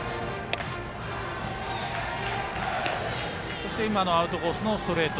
そしてアウトコースのストレート。